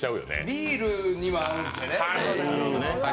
ビールにも合うんすよね。